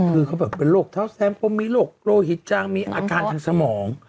คือเขาแบบเป็นโรคเท้าแซมปมมีโรคโลหิตจางมีอาการทางสมอง